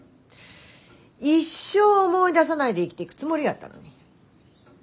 一生思い出さないで生きてくつもりやったのに。